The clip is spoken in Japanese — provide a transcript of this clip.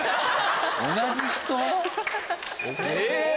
同じ人？え！